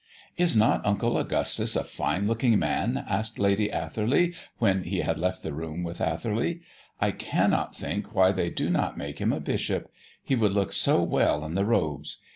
"Is not Uncle Augustus a fine looking man?" asked Lady Atherley, when he had left the room with Atherley. "I cannot think why they do not make him a bishop; he would look so well in the robes.